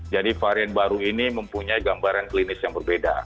jadi varian baru ini mempunyai gambaran klinis yang berbeda